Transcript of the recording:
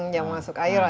yang masuk air akhirnya